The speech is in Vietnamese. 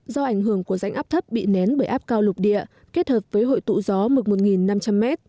do ảnh hưởng của rãnh áp thấp bị nén bởi áp cao lục địa kết hợp với hội tụ gió mực một năm trăm linh m